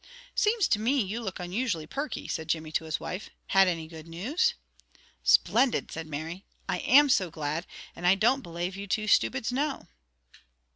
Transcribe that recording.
"Seems to me you look unusually perky," said Jimmy to his wife. "Had any good news?" "Splendid!" said Mary. "I am so glad! And I don't belave you two stupids know!"